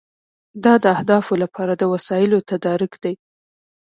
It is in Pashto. دا د اهدافو لپاره د وسایلو تدارک دی.